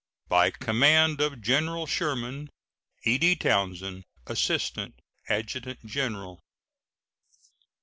By command of General Sherman: E.D. TOWNSEND, Assistant Adjutant General.